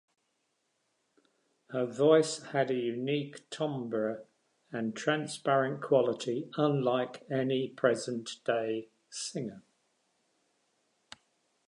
Her voice had a unique timbre and transparent quality unlike any present-day singer.